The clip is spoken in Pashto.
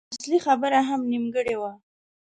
اصلي خبره هم نيمګړې وه.